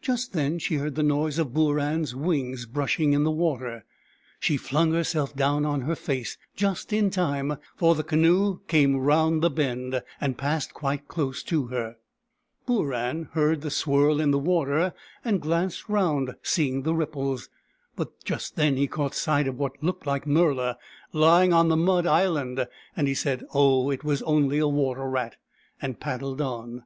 Just then she heard the noise of Booran's wings brushing in the water. She flung herself down on her face — just in time, for the canoe came round S.A.B. G 98 BOORAN, THE PELICAN the bend, and passed quite close to her. Booran heard the swirl in the water, and glanced round, seeing the ripples ; but just then he caught sight of what looked like Murla, lying on the mud island, and he said, " Oh, it was only a water rat !" and paddled on.